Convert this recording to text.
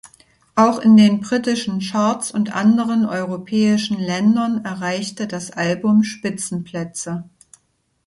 Auch in den britischen Charts und anderen europäischen Ländern erreichte das Album Spitzenplätze.